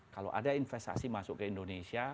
kalau ada investasi masuk ke indonesia